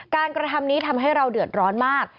กระทำนี้ทำให้เราเดือดร้อนมาก